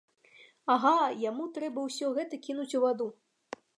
Ага, яму трэба ўсё гэта кінуць у ваду.